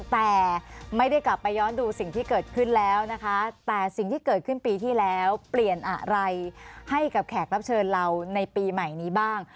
แต่ไม่ได้กลับไปย้อนดูสิ่งที่เกิดขึ้นแล้วนะคะแต่สิ่งที่เกิดขึ้นปีที่แล้วเปลี่ยนอะไรให้กับแขกรับเชิญเราในปีใหม่นี้บ้าง